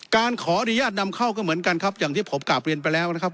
การขออนุญาตนำเข้าก็เหมือนกันครับอย่างที่ผมกลับเรียนไปแล้วนะครับ